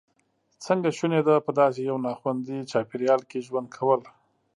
څنګه شونې ده په داسې یو ناخوندي چاپېریال کې ژوند کول.